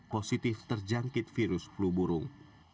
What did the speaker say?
positif terjangkit virus flu burung